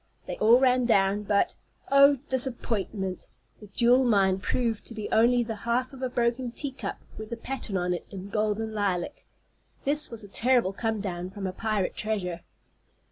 They all ran down, but oh, disappointment! the jewel mine proved to be only the half of a broken teacup with a pattern on it in gold and lilac. This was a terrible come down from a pirate treasure.